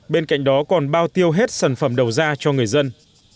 bên cạnh đó còn bao tiêu hết sản phẩm đầu ra cho người dân